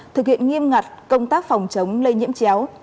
thực hiện nghiêm ngặt công tác phòng chống lây nhiễm chéo